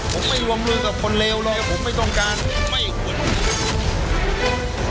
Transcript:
ผมไม่รวมรุนกับคนเลวเลยผมไม่ต้องการ